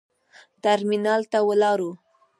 ترمینال ته ولاړو.